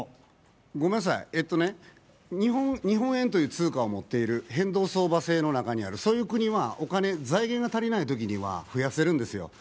日本円という通過を持ってる変動相場制の中にあるそういう国は財源が足りないときには増やせるんですよ。